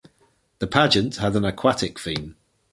The pageant had an aquatic theme.